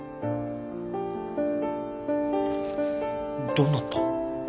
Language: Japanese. どうなった？